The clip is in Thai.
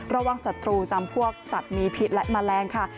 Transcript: ระหว่างสัตว์ตรูจำพวกสัตว์มีผิดและแมลงค่ะ